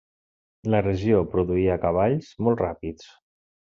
La regió produïa cavalls molt ràpids.